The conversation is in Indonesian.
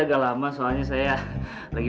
saya mau jalan